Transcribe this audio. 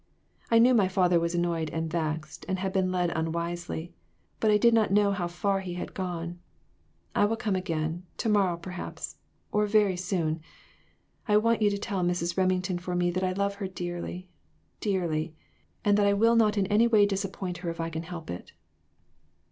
I knew my father was annoyed and vexed, and had been led unwisely ; but I did not know how far he had gone. I will come again, to morrow, perhaps, or very soon. I want you to tell Mrs. Remington for me that I love her dearly dearly, and that I will not in any way disappoint her if I can help it."